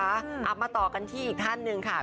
เอามาต่อกันที่อีกท่านหนึ่งค่ะ